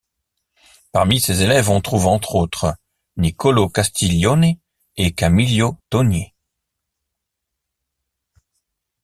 Parmi ses élèves on trouve entre autres, Niccolò Castiglioni et Camillo Togni.